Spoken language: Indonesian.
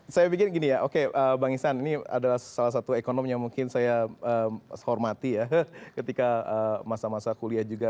saya pikir gini ya oke bang isan ini adalah salah satu ekonomi yang mungkin saya hormati ya ketika masa masa kuliah juga